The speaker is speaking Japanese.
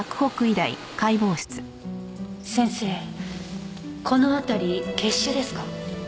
先生この辺り血腫ですか？